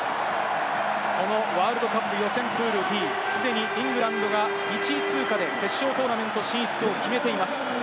ワールドカップ予選プールＤ、すでにイングランドが１位通過で決勝トーナメント進出を決めています。